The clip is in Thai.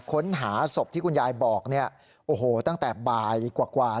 ค้นหาศพที่คุณยายบอกเนี่ยโอ้โหตั้งแต่บ่ายกว่า